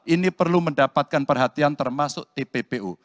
ini perlu mendapatkan perhatian termasuk tppu